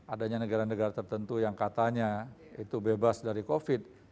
adanya negara negara tertentu yang katanya itu bebas dari covid